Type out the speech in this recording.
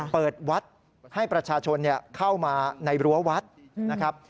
เปิดวัดให้ประชาชนเข้ามาในรั้ววัดนะครับ